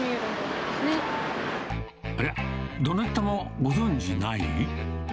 ありゃ、どなたもご存じない？